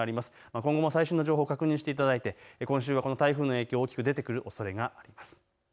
今後も最新の情報を確認していただいて今週は台風の影響、大きく出てくるおそれがあります。